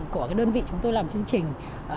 của cái đơn vị chúng tôi làm chương trình